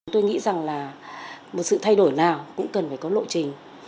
tôi nghĩ rằng là một sự thay đổi nào cũng cần phải có lộ trình